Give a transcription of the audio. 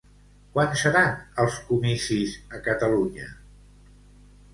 Quan seran els comicis a Catalunya?